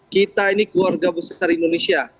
kita ini keluarga besar indonesia